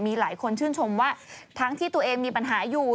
มีหลายคนชื่นชมว่าทั้งที่ตัวเองมีปัญหาอยู่